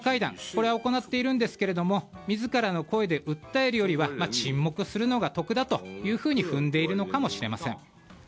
これは行っているんですけれども自らの声で訴えるよりは沈黙するのが得だと踏んでいるのかもしれません。